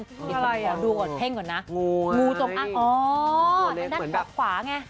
นี่เป็นอะไรอ่ะงูไงงูจงอ่างอ๋อนั่นด้านขวาไง